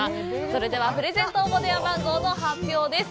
それでは、プレゼント応募電話番号の発表です。